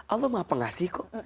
allah maha pengasihku